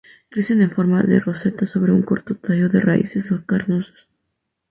Crecen en forma de roseta sobre un corto tallo de raíces carnosas.